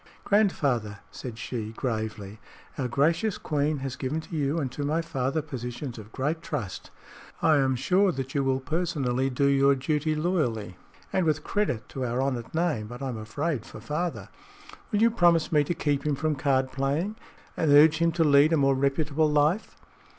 "Grandfather," said she, gravely, "our gracious Queen has given to you and to my father positions of great trust. I am sure that you will personally do your duty loyally, and with credit to our honored name; but I'm afraid for father. Will you promise me to keep him from card playing and urge him to lead a more reputable life?"